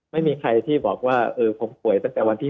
ไม่มีใครที่บอกว่าผมป่วยตั้งแต่วันที่๒